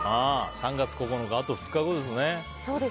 ３月９日、あと２日後ですね。